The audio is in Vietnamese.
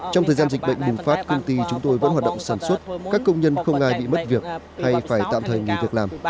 trong thời gian dịch bệnh bùng phát công ty chúng tôi vẫn hoạt động sản xuất các công nhân không ngại bị mất việc hay phải tạm thời nghỉ việc làm